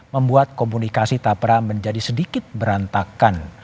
membuat komunikasi tak perah menjadi sedikit berantakan